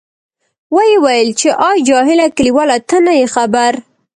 ویې ویل، چې آی جاهله کلیواله ته نه یې خبر.